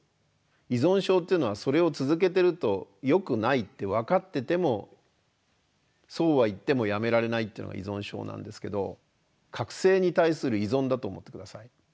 依存症っていうのはそれを続けてるとよくないって分かっててもそうはいってもやめられないというのが依存症なんですけど覚醒に対する依存だと思って下さい。